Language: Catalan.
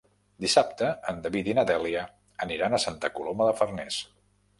Dissabte en David i na Dèlia aniran a Santa Coloma de Farners.